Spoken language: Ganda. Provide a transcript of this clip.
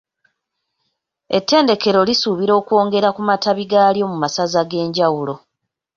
Ettendekero lisuubira okwongera ku matabi gaalyo mu masaza ag’enjawulo.